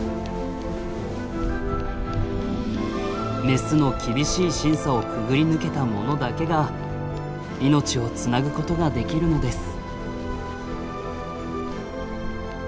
メスの厳しい審査をくぐり抜けたものだけが命をつなぐことができるのです。